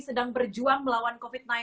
sedang berjuang melawan covid sembilan belas